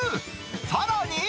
さらに。